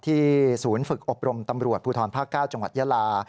ศูนย์ฝึกอบรมตำรวจภูทรภาค๙จังหวัดยาลา